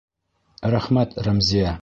Рәхмәт, Рәмзиә...